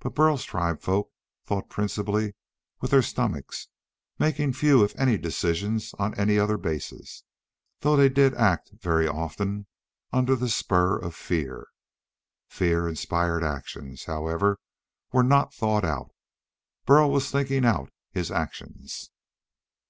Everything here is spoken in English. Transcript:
Burl's tribesfolk thought principally with their stomachs, making few if any decisions on any other basis though they did act, very often, under the spur of fear. Fear inspired actions, however, were not thought out. Burl was thinking out his actions.